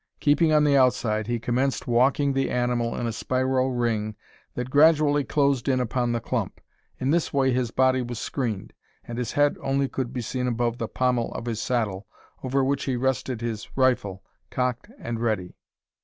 Keeping on the outside, he commenced walking the animal in a spiral ring that gradually closed in upon the clump. In this way his body was screened; and his head only could be seen above the pommel of his saddle, over which he rested his rifle, cocked and ready.